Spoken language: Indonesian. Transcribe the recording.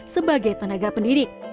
sebagai tenaga pendidik